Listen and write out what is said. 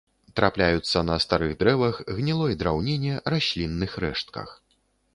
Трапляюцца на старых дрэвах, гнілой драўніне, раслінных рэштках.